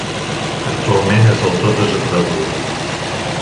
Actualment és del tot desapareguda.